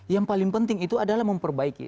yang paling penting itu adalah memperbaiki